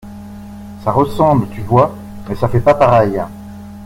Ça ressemble, tu vois, mais ça fait pas pareil!